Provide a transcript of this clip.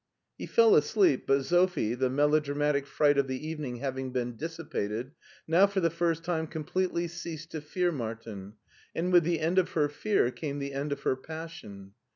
He fell asleep, but Sophie, the melodramatic fright of the evening having been dissipated, now for the first time completely ceased to fear Martin, and with the end of her fear came the end of her passion.